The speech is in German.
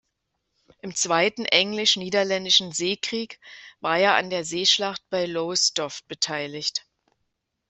Im Zweiten Englisch-Niederländischen Seekrieg war er an der Seeschlacht bei Lowestoft beteiligt.